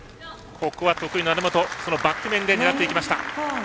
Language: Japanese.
ここは得意の成本バック面で狙っていきました。